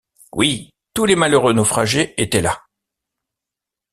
Oui! tous les malheureux naufragés étaient là !